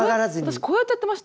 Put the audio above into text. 私こうやってやってました。